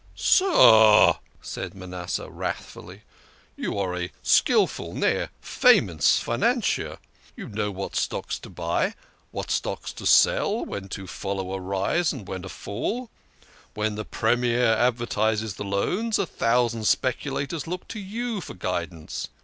" Sir !" said Manasseh wrathfully. " You are a skilful nay, a famous, financier. You know what stocks to buy, what stocks to sell, when to follow a rise, and when a fall. When the Premier advertises the loans, a thousand specula tors look to you for guidance.